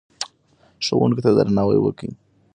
ښوونکو ته درناوی وکړئ.